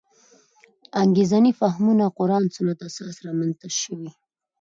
انګېرنې فهمونه قران سنت اساس رامنځته شوې.